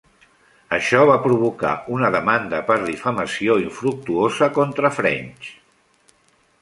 Això va provocar una demanda per difamació infructuosa contra French.